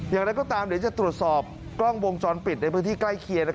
อย่างไรก็ตามเดี๋ยวจะตรวจสอบกล้องวงจรปิดในพื้นที่ใกล้เคียง